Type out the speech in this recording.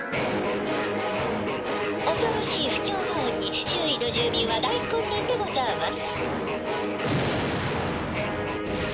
「恐ろしい不協和音に周囲の住民は大混乱でござあます」。